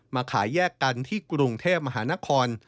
มาขายแยกกันที่กรุงเทพมหานคร